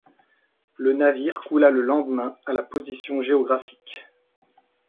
Le navire coula le lendemain à la position géographique .